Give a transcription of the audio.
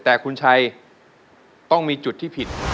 แต่คุณชัยต้องมีจุดที่ผิด